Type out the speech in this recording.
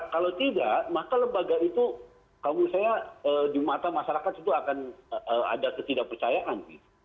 kalau tidak maka lembaga itu kamu saya di mata masyarakat itu akan ada ketidakpercayaan